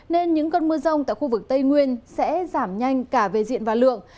nên những cơn mưa rông tại khu vực tây nguyên sẽ giảm nhanh cả về diện và lượng